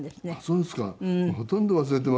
そうですか。